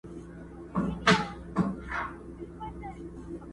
ځان وړوکی لکه سوی راته ښکاریږي،